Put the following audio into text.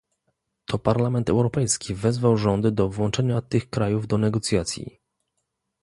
To Parlament Europejski wezwał rządy do włączenia tych krajów do negocjacji